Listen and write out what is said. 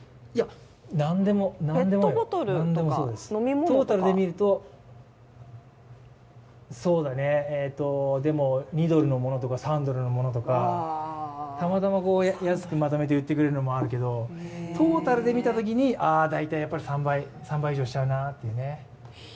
何でもよ、トータルで見ると２ドルのものとか３ドルのものとかたまたま安くまとめて売ってくれるのもあるけれども、トータルで見たときに、あ大体３倍以上しちゃうなっていう。